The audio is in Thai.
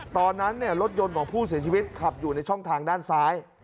ตอนนั้นรถยนต์ของผู้เสียชีวิตขับอยู่ในช่องทางด้านซ้าย